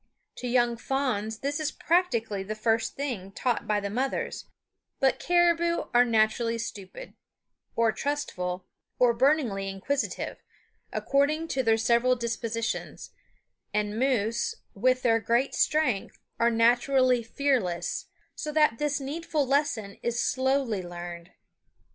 To young fawns this is practically the first thing taught by the mothers; but caribou are naturally stupid, or trustful, or burningly inquisitive, according to their several dispositions; and moose, with their great strength, are naturally fearless; so that this needful lesson is slowly learned.